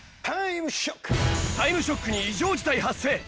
『タイムショック』に異常事態発生！